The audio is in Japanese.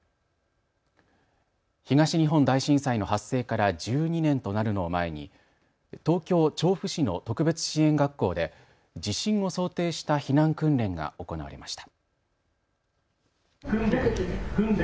東日本大震災の発生から１２年となるのを前に東京調布市の特別支援学校で地震を想定した避難訓練が行われました。